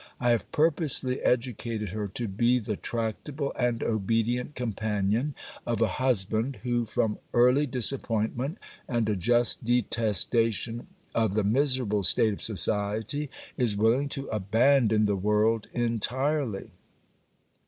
I have purposely educated her to be the tractable and obedient companion of a husband, who from early disappointment and a just detestation of the miserable state of society is willing to abandon the world entirely.